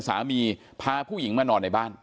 สามีพาผู้หญิงมานอนในบ้าน